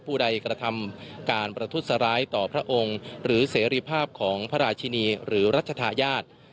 ผู้ใดกระทำการประทุษร้ายต่อพระองค์หรือเสรีภาพของพระราชินีหรือรัชธาญาติ